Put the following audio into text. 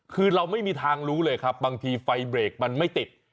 คือเราไม่มีทางรู้เลยครับบางทีไฟเบรกมันไม่ติด